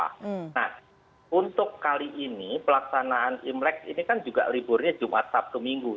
nah untuk kali ini pelaksanaan imlek ini kan juga liburnya jumat sabtu minggu